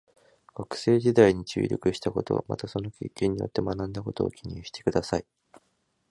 学生時代に注力したこと、またその経験によって学んだことをご記入ください。